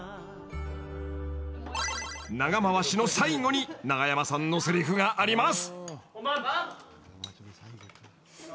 ［長回しの最後に永山さんのせりふがあります］